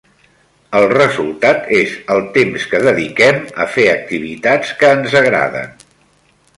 El resultat és el temps que dediquem a fer activitats que ens agraden.